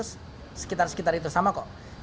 semua kasus sekitar sekitar itu sama kok